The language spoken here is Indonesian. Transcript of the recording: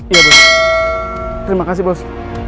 iya bu terima kasih bos